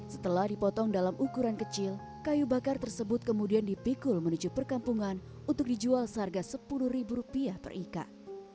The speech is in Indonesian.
setelah dipotong dalam ukuran kecil kayu bakar tersebut kemudian dipikul menuju perkampungan untuk dijual seharga sepuluh ribu rupiah per ikat